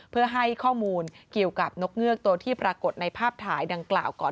เพื่อให้ข้อมูลเกี่ยวกับนกเงือกตัวที่ปรากฏในภาพถ่ายดังกล่าวก่อน